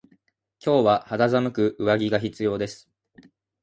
今日は肌寒く上着が必要です。